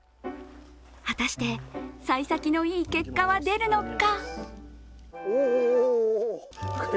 果たして、さい先のいい結果は出るのか。